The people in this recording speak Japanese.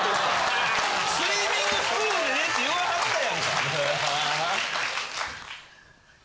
スイミングスクールでええって言わはったやんか。